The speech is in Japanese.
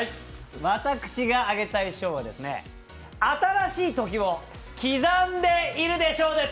私があげたい賞は、新しい時を刻んでいるで賞です。